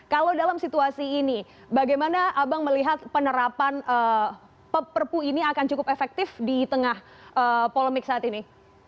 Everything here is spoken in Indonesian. kalau dalam situasi ini bagaimana abang melihat penerapan perpu ini akan cukup efektif di tengah polemik saat ini